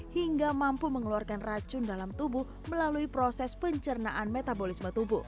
hingga mampu mengeluarkan racun dalam tubuh melalui proses pencernaan metabolisme tubuh